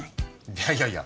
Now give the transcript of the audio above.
いやいやいや。